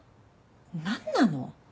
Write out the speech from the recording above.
何なの！？